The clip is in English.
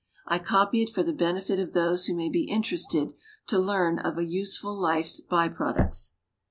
I copy it for the benefit of those who may be interested to learn of a useful life's by products.